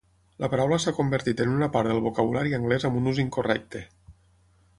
La paraula s'ha convertit en una part del vocabulari anglès amb un ús incorrecte.